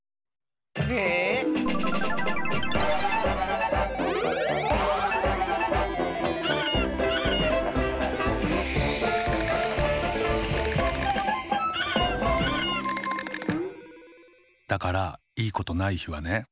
ええ⁉だからいいことないひはね。